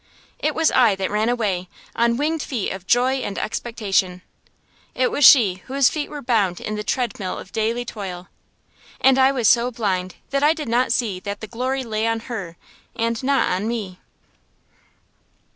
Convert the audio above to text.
It was I that ran away, on winged feet of joy and expectation; it was she whose feet were bound in the treadmill of daily toil. And I was so blind that I did not see that the glory lay on her, and not on me.